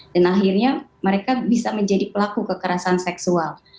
dan akhirnya mereka bisa menjadi pelaku kekerasan seksual